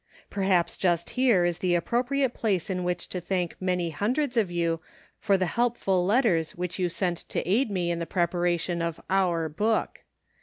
Perhaps just here is the appropriate place in which to thank many hundreds of you for the helpful letters which you sent to aid me in the preparation of. our hook.